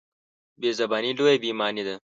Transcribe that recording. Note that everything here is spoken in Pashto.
بېزباني لویه بېايماني ده.